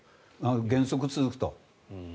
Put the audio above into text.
原則、続くと。